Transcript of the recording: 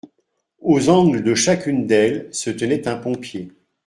Aux angles de chacune d'elles, se tenait un pompier.